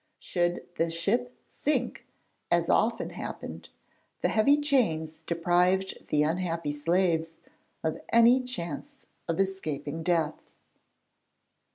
Should the ship sink, as often happened, the heavy chains deprived the unhappy slaves of any chance of escaping death.